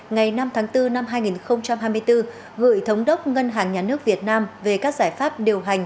ngày năm tháng bốn năm hai nghìn hai mươi bốn gửi thống đốc ngân hàng nhà nước việt nam về các giải pháp điều hành